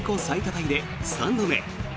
タイで３度目。